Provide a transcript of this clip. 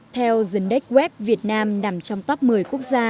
theo the next web việt nam nằm trong top một mươi quốc gia